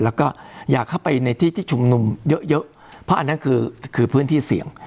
แล้วก็อย่าเข้าไปในที่ที่ชุมนุมเยอะเยอะเพราะอันนั้นคือคือพื้นที่เสี่ยง